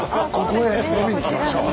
ここへ飲みに来ましょう。